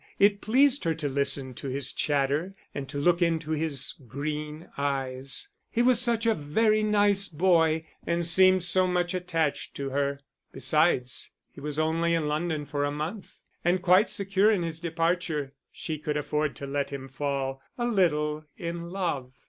It pleased her to listen to his chatter, and to look into his green eyes; he was such a very nice boy, and seemed so much attached to her! Besides, he was only in London for a month, and, quite secure in his departure, she could afford to let him fall a little in love.